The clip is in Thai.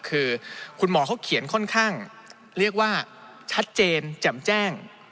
คือคุณหมอเขาเขียนค่อนข้างเรียกว่าชัดเจนแจ่มแจ้ง